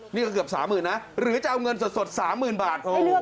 นี่ก็เกือบ๓๐๐๐นะหรือจะเอาเงินสด๓๐๐๐บาท